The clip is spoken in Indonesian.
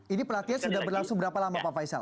ini pelatihan sudah berlangsung berapa lama pak faisal